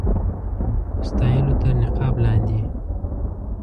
ستایلو تر نقاب لاندي.